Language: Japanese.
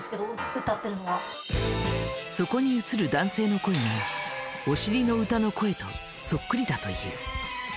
そこに映る男性の声がお尻の歌の声とそっくりだという。